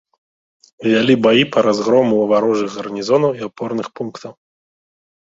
Вялі баі па разгрому варожых гарнізонаў і апорных пунктаў.